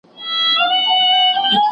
¬ د حلوا په ويلو خوله نه خوږه کېږي.